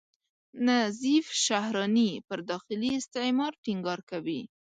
نظیف شهراني پر داخلي استعمار ټینګار کوي.